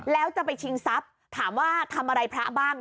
แล้วจะไปชิงทรัพย์ถามว่าทำอะไรพระบ้าง